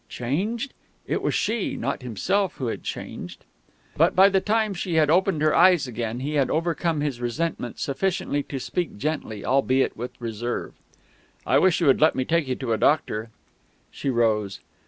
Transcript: "Changed?" It was she, not himself, who had changed.... But by the time she had opened her eyes again he had overcome his resentment sufficiently to speak gently, albeit with reserve. "I wish you would let me take you to a doctor." She rose.